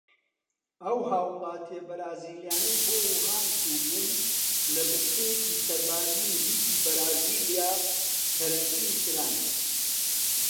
ئەو هاوڵاتیە بەرازیلیانەی بۆ ووهان چوو بوون لە بنکەیەکی سەربازی نزیکی بەرازیلیا کەرەنتین کران.